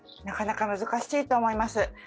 なかなか難しいと思います。